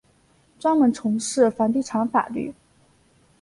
专门从事房地产法律。